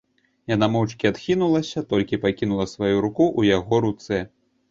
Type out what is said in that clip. Яна моўчкі адхінулася, толькі пакінула сваю руку ў яго руцэ.